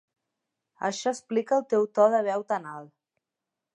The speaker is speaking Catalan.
Això explica el teu to de veu tan alt.